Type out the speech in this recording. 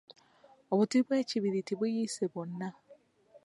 Obuti bw’ekibiriiti buyiise bwonna.